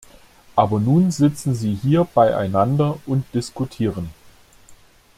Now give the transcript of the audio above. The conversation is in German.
Aber nun sitzen sie hier beieinander und diskutieren.